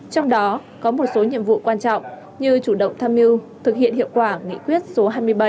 trong đó có một số nhiệm vụ quan trọng như chủ động tham mưu thực hiện hiệu quả nghị quyết số hai mươi bảy